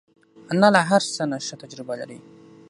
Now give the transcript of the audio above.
انا له هر څه نه ښه تجربه لري